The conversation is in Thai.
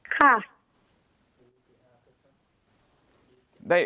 ค่ะ